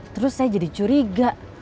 terus saya jadi curiga